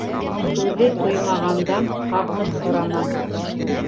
Үҙе туймағандан һарҡыт һорама.